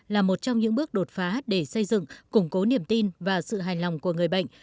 là một trong những bước đột phá để xây dựng củng cố niềm tin và sự hài lòng của người bệnh